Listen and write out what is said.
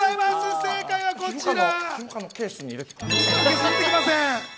正解はこちら。